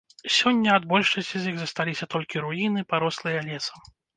Сёння ад большасці з іх засталіся толькі руіны, парослыя лесам.